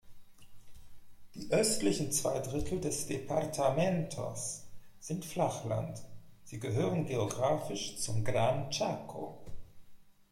Die östlichen zwei Drittel des Departamentos sind Flachland, sie gehören geografisch zum Gran Chaco.